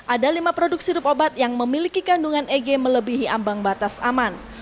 ada lima produk sirup obat yang memiliki kandungan eg melebihi ambang batas aman